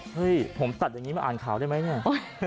เฮ้ยผมตัดอย่างนี้มาอ่านข่าวได้ไหมเนี่ย